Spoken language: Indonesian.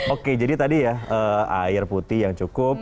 oke jadi tadi ya air putih yang cukup